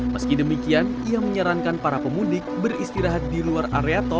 meski demikian ia menyarankan para pemudik beristirahat di luar area tol